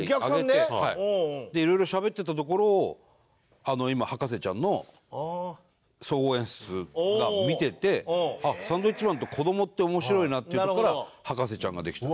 お客さんで？で色々しゃべってたところを今『博士ちゃん』の総合演出が見ててサンドウィッチマンと子供って面白いなっていうところから『博士ちゃん』ができた。